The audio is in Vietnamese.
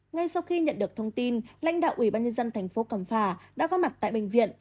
ngay sau khi nhận được thông tin lãnh đạo ủy ban nhân dân tp cầm phà đã có mặt tại bệnh viện